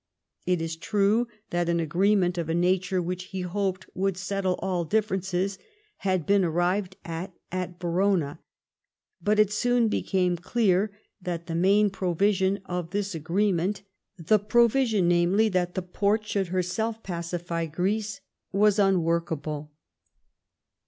It is true that an agreement of a nature which he hoped would settle all difl'erences had been arrived at at Verona. But it soon became clear that the main provision of this agreement — the provision namely, that thePorte should her self pacify Greece — was unworkable.